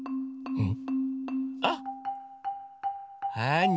うん。